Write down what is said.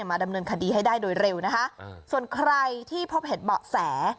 มาดำเนินคดีให้ได้โดยเร็วนะคะส่วนใครที่พบเห็นเบาะแส